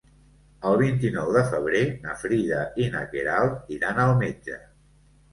El vint-i-nou de febrer na Frida i na Queralt iran al metge.